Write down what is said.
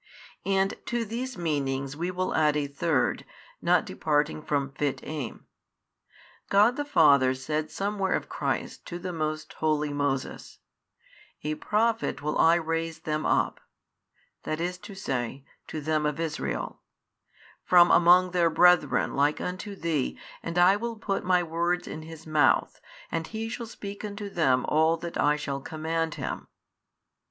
And to these meanings we will add a third, not departing from fit aim. God the Father said somewhere of Christ to the most holy Moses, A Prophet will I raise them up (i. e. to them of Israel) from among their brethren like unto thee and I will put My words in His Mouth and He shall speak unto them all that I shall command Him.